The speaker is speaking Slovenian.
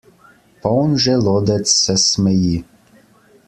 Poln želodec se smeji.